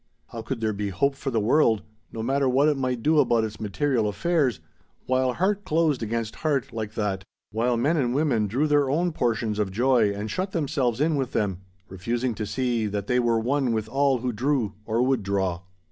How could there be 'hope for the world, no matter what it might do about its material affairs, while heart closed against heart like that, while men and women drew their own portions of joy and shut themselves in with them, refusing to see that they were one with all who drew, or would draw.